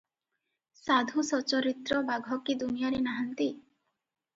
ସାଧୁସଚରିତ୍ର ବାଘ କି ଦୁନିଆରେ ନାହାନ୍ତି?